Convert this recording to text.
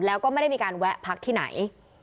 แล้วก็ไม่ได้มีการแวะพักที่ไหน